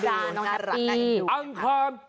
อังกร